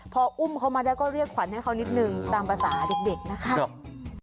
พออุ้มเขามาได้ก็เรียกขวัญให้เขานิดนึงตามภาษาเด็กนะครับ